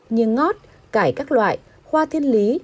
như ngót cải các loại khoa thiên lý